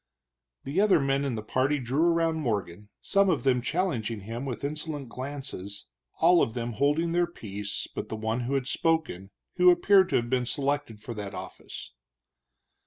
The other men in the party drew around Morgan, some of them challenging him with insolent glances, all of them holding their peace but the one who had spoken, who appeared to have been selected for that office.